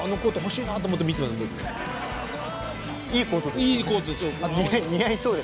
いいコートですよね。